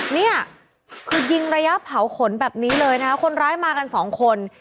นี่คือยิงระยะเผาขนแบบนี้เลยนะคะคนร้ายมากันสองคน